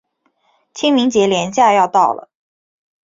清明节连假要到了